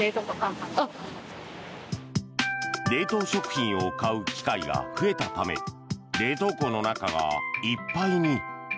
冷凍食品を買う機会が増えたため冷凍庫の中がいっぱいに。